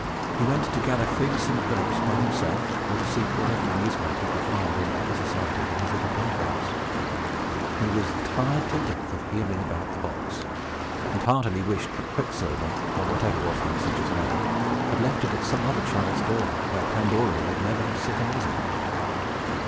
He went to gather figs and grapes by himself, or to seek whatever amusement he could find, in other society than his little playfellow's. He was tired to death of hearing about the box, and heartily wished that Quicksilver, or whatever was the messenger's name, had left it at some other child's door, where Pandora would never have set eyes on it.